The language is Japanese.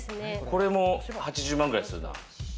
これも８０万ぐらいすんな。